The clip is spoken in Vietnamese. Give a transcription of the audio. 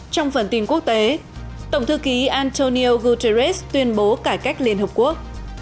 trong phần tin quốc tế tổng thư ký antonio guterres tuyên bố cải cách liên hợp quốc